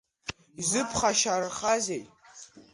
Изыԥхашьарахазеи?